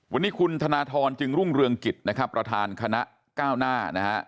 วันนี้คุณธนทรจึงรุ่งเรืองกิจนะครับประธานคณะก้าวหน้านะฮะ